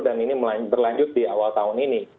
dan ini berlanjut di awal tahun ini